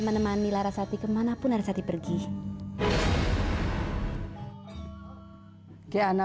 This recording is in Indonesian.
menurut tiang pemuda buruk rupa ini